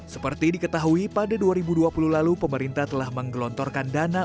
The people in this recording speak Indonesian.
seperti diketahui pada dua ribu dua puluh lalu pemerintah telah menggelontorkan dana